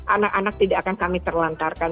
anak anak tidak akan kami terlantarkan